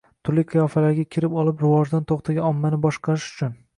turli qiyofalarga kirib olib rivojdan to‘xtagan ommani boshqarish uchun.